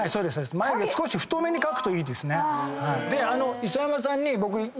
眉毛少し太めに描くといいですね。